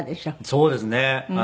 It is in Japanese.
そうですね。